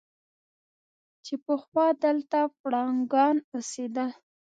چې پخوا دلته پړانګان اوسېدل.